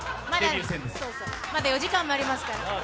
まだ４時間もありますからね